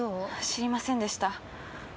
知りませんでした。